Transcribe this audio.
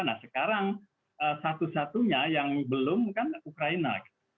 nah sekarang satu satunya yang belum kan ukraina